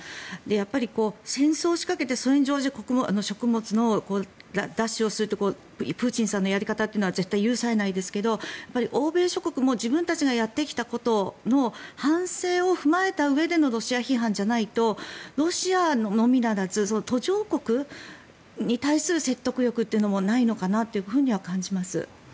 やっぱり戦争を仕掛けてそれに乗じて食物の奪取をするというプーチンさんのやり方は絶対に許されないですけど欧米諸国も自分たちがやってきたことの反省を踏まえたうえでのロシア批判じゃないとロシアのみならず途上国に対する説得力もないのかなと感じます。